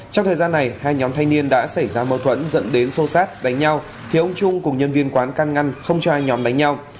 trong thời gian này hai nhóm thanh niên đã xảy ra mâu thuẫn dẫn đến xô xát đánh nhau khiến ông trung cùng nhân viên quán can ngăn không cho hai nhóm đánh nhau